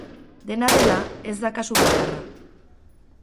Dena dela, ez da kasu bakarra.